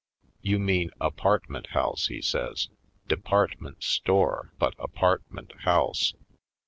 "You mean apartment house," he says; "department store, but apartment house.